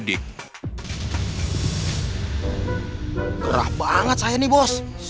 gerah banget saya nih bos